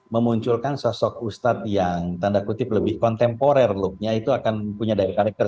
memunculkan sosok ustadz yang tanda kutip lebih kontemporer looknya itu akan punya dari karakter